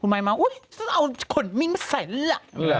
คุณมายบอลเห็นมั้ยอุ๊ยเอาขนมิ้งไปใส่นั่น